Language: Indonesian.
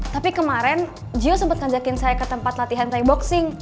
tapi kemarin gio sempet ngajakin saya ke tempat latihan thai boxing